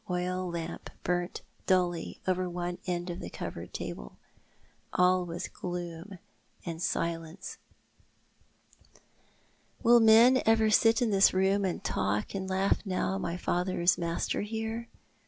oil lamp burnt dully over one end of the covered tcable. All was gloom and silence. " Will men ever sit in this room and talk and laugli now my father is master here